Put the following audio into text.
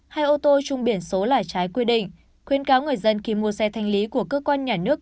hai ô tô trung biển số là trái quy định khuyến cáo người dân khi mua xe thanh lý của cơ quan nhà nước